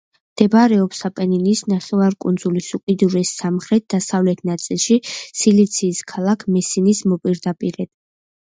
მდებარეობს აპენინის ნახევარკუნძულის უკიდურეს სამხრეთ-დასავლეთ ნაწილში, სიცილიის ქალაქ მესინის მოპირდაპირედ.